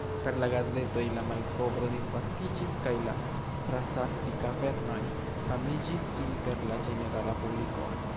Per la gazetoj la malkovro disvastiĝis kaj la Frasassi-kavernoj famiĝis inter la ĝenerala publiko.